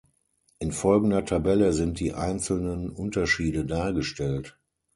In folgender Tabelle sind die einzelnen Unterschiede dargestellt.